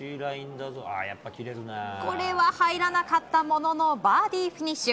これは入らなかったもののバーディーフィニッシュ。